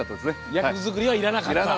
役作りはいらなかった。